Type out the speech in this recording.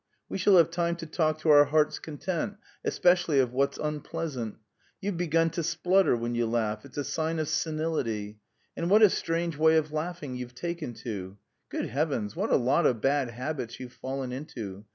We shall have time to talk to our heart's content, especially of what's unpleasant. You've begun to splutter when you laugh, it's a sign of senility! And what a strange way of laughing you've taken to!... Good Heavens, what a lot of bad habits you've fallen into!